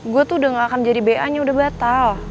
gue tuh udah gak akan jadi ba nya udah batal